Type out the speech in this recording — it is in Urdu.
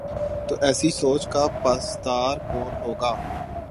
تو ایسی سوچ کا پاسدار کون ہو گا؟